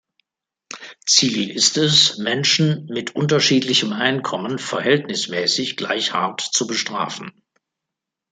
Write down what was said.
Ziel ist es, Menschen mit unterschiedlichem Einkommen verhältnismäßig gleich hart zu bestrafen.